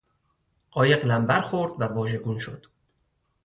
قایق لمبر خورد و واژگون شد.